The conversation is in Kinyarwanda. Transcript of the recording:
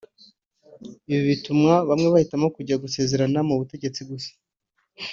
Ibi bituma bamwe bahitamo kujya gusezerana mu butegetsi gusa